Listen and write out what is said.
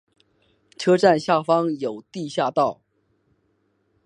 车站下方有地下道。